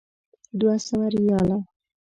دوه سوه ریاله.